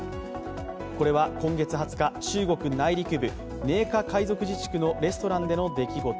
これは今月２０日、中国内陸部寧夏回族自治区のレストランでの出来事。